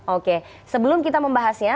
oke sebelum kita membahasnya